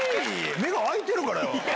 目が開いてるから。